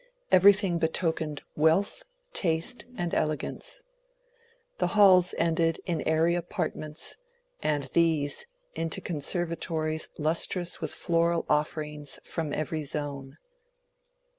Every thing betokened wealth, taste, and elegance. The halls ended in airy apartments, and these into conservatories lustrous with floral offerings from every zone.